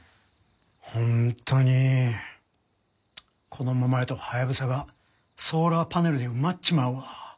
本当にこのままやとハヤブサがソーラーパネルで埋まっちまうわ。